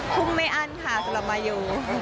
ไม่อั้นค่ะสำหรับมายู